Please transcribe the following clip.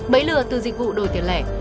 bấy lừa từ dịch vụ đổi tiền lẻ